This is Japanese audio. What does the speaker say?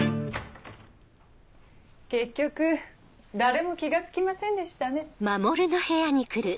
結局誰も気が付きませんでしたね。